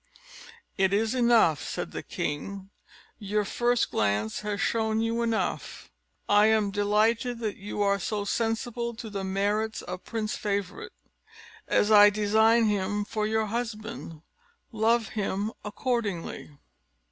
"It is enough," said the king; "your first glance has shown you enough. I am delighted that you are so sensible to the merits of Prince Favourite, as I design him for your husband. Love him accordingly."